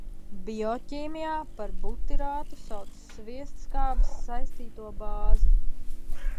Bioķīmijā par butirātu sauc sviestskābes saistīto bāzi.